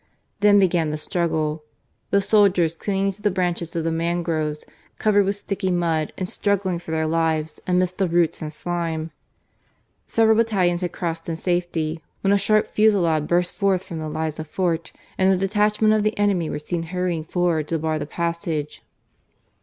Then began the struggle — ^the soldiers clinging to the branches of the mangroves, covered with sticky mud and struggling for their lives amidst the roots and slime. Several battalions had crossed in safety when a sharp fusillade burst forth from the Liza Fort and a detachment of the enemy were seen hurrying forward to bar the passage.